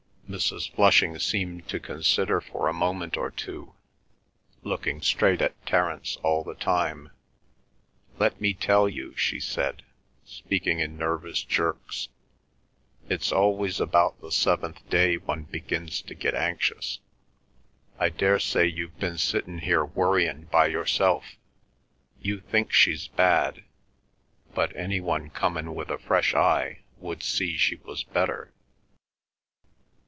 Mrs. Flushing seemed to consider for a moment or two, looking straight at Terence all the time. "Let me tell you," she said, speaking in nervous jerks, "it's always about the seventh day one begins to get anxious. I daresay you've been sittin' here worryin' by yourself. You think she's bad, but any one comin' with a fresh eye would see she was better.